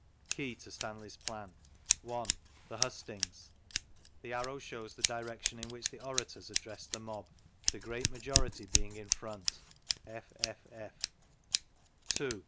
Key to Stanley's Plan. 1. The hustings. The arrow shows the direction in which the orators addressed the mob, the great majority being in front : F, F, F.